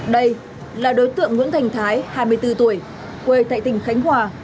đây là đối tượng nguyễn thành thái hai mươi bốn tuổi quê tại tỉnh khánh hòa